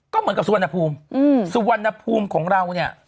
ก็เหมือนกับสุวรรณภูมิสุวรรณภูมิของเราเนี่ย